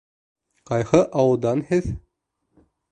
— Ҡайһы ауылдан һеҙ?